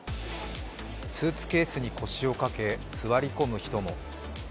スーツケースに腰を掛け、座り込む人も。